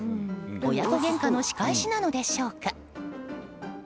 親子げんかの仕返しなのでしょうか。